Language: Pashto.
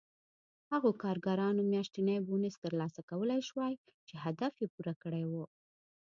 هغو کارګرانو میاشتنی بونېس ترلاسه کولای شوای چې هدف یې پوره کړی و